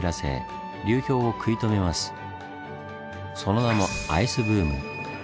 湖にその名もアイスブーム。